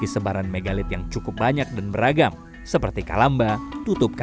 sebenarnya evan juga ada gamblea merulisnya